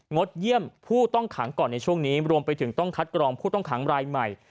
ดเยี่ยมผู้ต้องขังก่อนในช่วงนี้รวมไปถึงต้องคัดกรองผู้ต้องขังรายใหม่